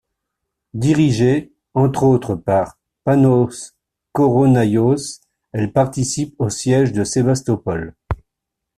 Dirigée, entre autres, par Panos Koronaios, elle participe au Siège de Sébastopol.